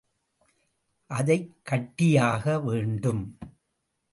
அதைக் கட்டியாக வேண்டும்.